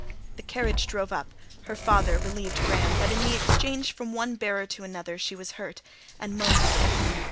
The carriage drove up; her father relieved Graham; but in the exchange from one bearer to another she was hurt, and moaned again.